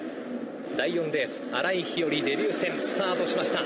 第４レース新井日和デビュー戦スタートしました。